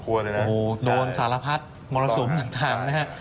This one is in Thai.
โวโฮโดนทราภัฏมรสุมถักนะครับ